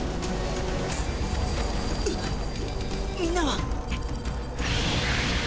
みんなは！？